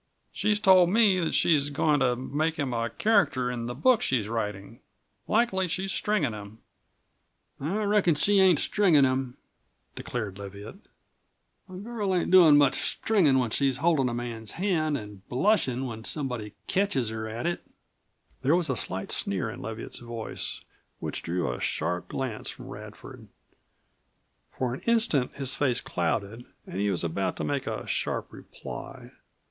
She's told me that she's goin' to make him a character in the book she's writing. Likely she's stringing him." "I reckon she ain't stringin' him," declared Leviatt. "A girl ain't doin' much stringin' when she's holdin' a man's hand an' blushin' when somebody ketches her at it." There was a slight sneer in Leviatt's voice which drew a sharp glance from Radford. For an instant his face clouded and he was about to make a sharp reply.